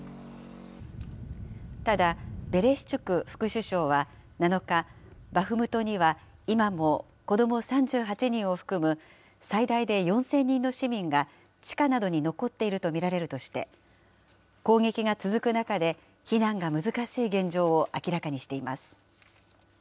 ただ、ベレシチュク副首相は７日、バフムトには、今も子ども３８人を含む、最大で４０００人の市民が地下などに残っていると見られるとして、攻撃が続く中で、避難が難しい現状を明らかにしています。